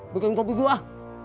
bikin kopi dulu ah